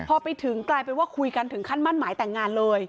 พอไปถึงกลายเป็นว่าคุยกันถึงขั้นมั่นหมายแต่งงานเลย